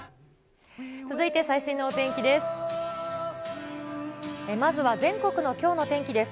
続いて最新のお天気です。